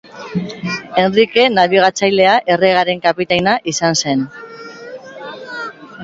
Henrike Nabigatzailea erregearen kapitaina izan zen.